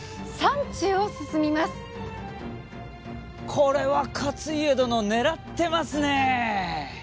これは勝家殿ねらってますね！